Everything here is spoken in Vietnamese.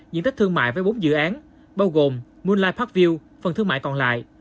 diện tích thương mại với bốn dự án bao gồm moonlight parkview phần thương mại còn lại